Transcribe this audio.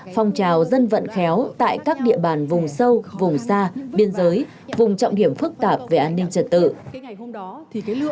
phong trào dân vận khéo tại các địa bàn vùng sâu vùng xa biên giới vùng trọng điểm phức tạp về an ninh trật tự